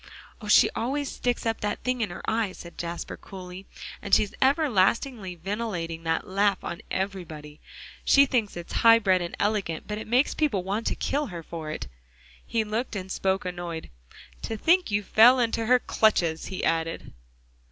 "Oh! she always sticks up that thing in her eye," said Jasper coolly, "and she's everlastingly ventilating that laugh on everybody. She thinks it high bred and elegant, but it makes people want to kill her for it." He looked and spoke annoyed. "To think you fell into her clutches!" he added.